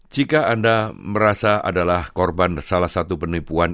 jika anda merasa adalah korban salah satu penipuan